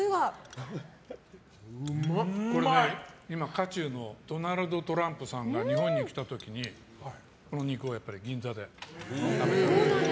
これ、今、渦中のドナルド・トランプさんが日本に来た時にこの肉を銀座で食べたんですよ。